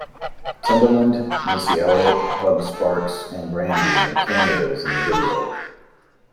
Timbaland, Missy Elliott, Bubba Sparxxx and Brandy make cameos in the video.